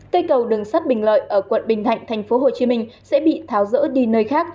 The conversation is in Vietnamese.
cây cầu đường sắt bình lợi ở quận bình thạnh tp hcm sẽ bị tháo rỡ đi nơi khác